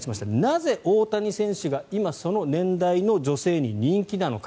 なぜ、大谷選手が今、その年代の女性に人気なのか。